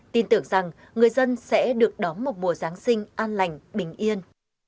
tin tưởng rằng người dân sẽ được đón một mùa giáng sinh an lành bình yên